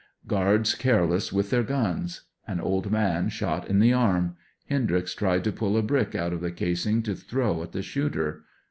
Guards careless with their guns. An old man shot in the arm. Hendryx tried to pull a brick out of the casing to throw at the shooter.